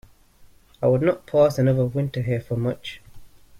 I would not pass another winter here for much.